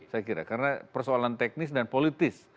saya kira karena persoalan teknis dan politis